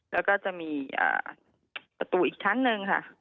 แล้วก็จะมีประตูอีกชั้นหนึ่งค่ะ